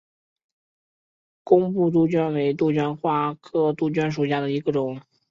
工布杜鹃为杜鹃花科杜鹃属下的一个种。